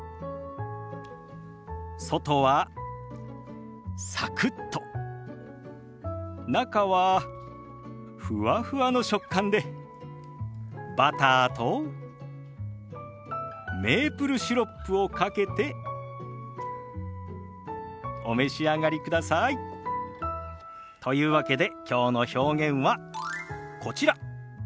外はサクッと中はふわふわの食感でバターとメープルシロップをかけてお召し上がりください。というわけできょうの表現はこちら。